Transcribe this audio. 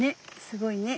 すごいね。